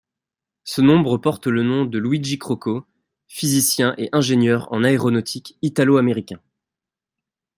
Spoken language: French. Ce nombre porte le nom de Luigi Crocco, physicien et ingénieur en aéronautique italo-américain.